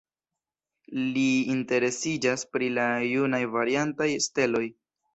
Li interesiĝas pri la junaj variantaj steloj.